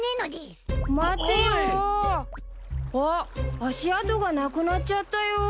あっ足跡がなくなっちゃったよ。